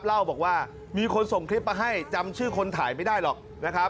เล่าบอกว่ามีคนส่งคลิปมาให้จำชื่อคนถ่ายไม่ได้หรอกนะครับ